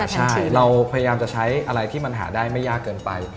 ใช่เราพยายามจะใช้อะไรที่มันหาได้ไม่ยากเกินไป